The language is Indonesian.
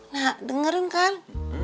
nah dengerin kan